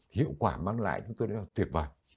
hiệu quả mang lại chúng tôi là tuyệt vời